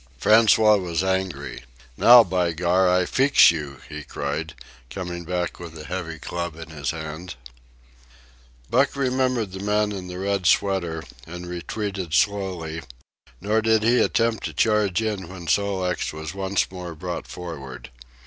François was angry. "Now, by Gar, I feex you!" he cried, coming back with a heavy club in his hand. Buck remembered the man in the red sweater, and retreated slowly; nor did he attempt to charge in when Sol leks was once more brought forward.